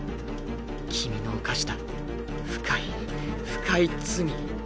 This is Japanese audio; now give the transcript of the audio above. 君の犯した深い深い罪。